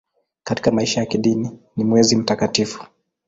Katika maisha ya kidini ni mwezi mtakatifu.